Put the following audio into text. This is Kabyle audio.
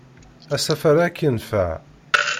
Asafar-a ad k-yenfeɛ!